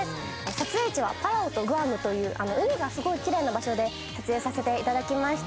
撮影地はパラオをグアムという海がすごいきれいな場所で撮影させていただきました。